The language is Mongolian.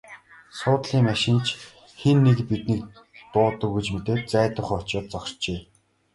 Суудлын машин ч хэн нэг нь биднийг дуудав гэж мэдээд зайдуухан очоод зогсжээ.